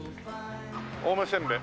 「青梅せんべい」